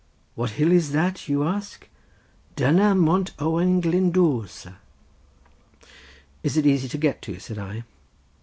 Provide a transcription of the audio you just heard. What hill is that, you ask—Dyna Mont Owain Glyndwr, sir." "Is it easy to get to?" said I.